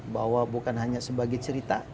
bahwa bukan hanya sebagai cerita